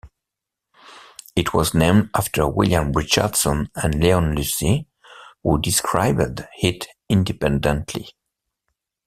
It was named after William Richardson and Leon Lucy, who described it independently.